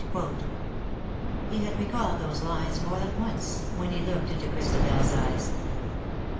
He had recalled those lines more than once when he looked into Christabel's eyes.